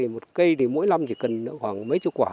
một cây thì mỗi năm chỉ cần khoảng mấy chục quả